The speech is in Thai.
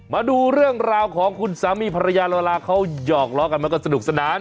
มาดูเรื่องราวของคุณสามีภรรยาโลลาเขาหยอกล้อกันมันก็สนุกสนาน